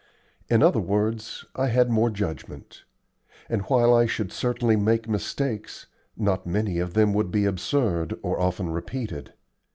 In other words, I had more judgment; and while I should certainly make mistakes, not many of them would be absurd or often repeated.